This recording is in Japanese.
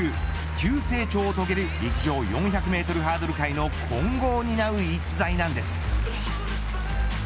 急成長を遂げる陸上４００メートルハードル界の今後を担う逸材なんです。